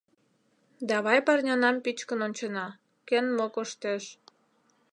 Давай парнянам пӱчкын ончена, кӧн мо коштеш.